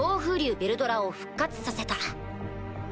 ヴェルドラを復活させた。